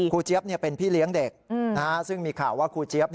เจี๊ยบเป็นพี่เลี้ยงเด็กซึ่งมีข่าวว่าครูเจี๊ยบ